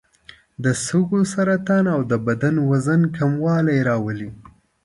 د سږو سرطان او د بدن وزن کموالی راولي.